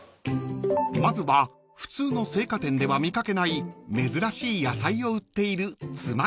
［まずは普通の青果店では見掛けない珍しい野菜を売っている］